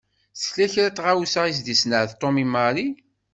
Tella kra n tɣawsa i s-d-isenɛet Tom i Mary.